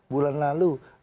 bulan lalu disampai